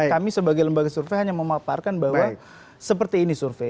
kami sebagai lembaga survei hanya memaparkan bahwa seperti ini survei